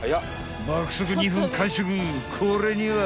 ［これには］